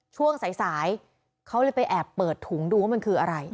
ช่วงสายเขาเลยไปแอบเปิดถุงดูว่ามันคืออะไร